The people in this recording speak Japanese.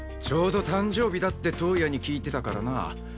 ちょうど誕生日だって橙也に聞いてたからな。